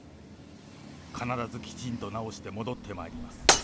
必ずきちんと治して戻ってまいります。